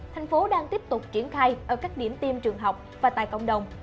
thành phố đang tiếp tục triển khai ở các điểm tiêm trường học và tại cộng đồng